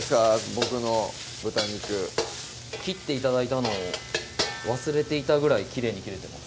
僕の豚肉切って頂いたのを忘れていたぐらいきれいに切れてます